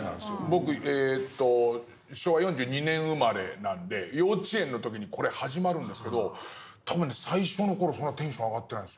僕昭和４２年生まれなんで幼稚園の時にこれ始まるんですけど多分ね最初の頃そんなテンション上がってないですよ。